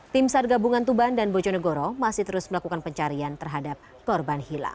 tim sar gabungan tuban dan bojonegoro masih terus melakukan pencarian terhadap korban hilang